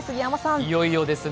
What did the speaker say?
いよいよですね。